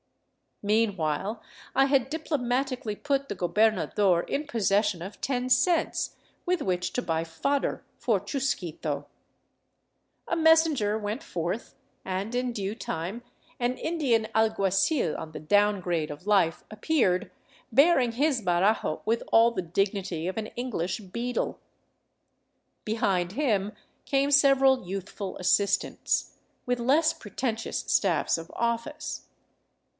Meanwhile, I had diplomatically put the gobernador in possession of ten cents, with which to buy fodder for Chusquito. A messenger went forth, and in due time an Indian alguacil on the down grade of life appeared, bearing his harajo with all the dignity of an English beadle. Behind him came several youthful assistants, with less pre tentious staffs of office.